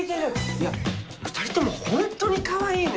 いや２人ともホントにかわいいね。